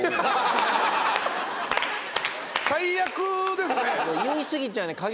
最悪ですね。